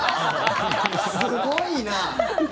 すごいな。